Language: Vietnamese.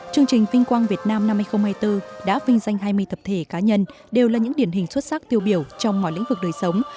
chương trình vinh quang việt nam năm hai nghìn hai mươi bốn đã vinh danh hai mươi thập thể cá nhân đều là những điển hình xuất sắc tiêu biểu trong mọi lĩnh vực đời sống